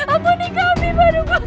ampuni kami paduka